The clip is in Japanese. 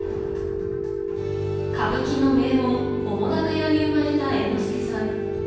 歌舞伎の名門・澤瀉屋に生まれた猿之助さん。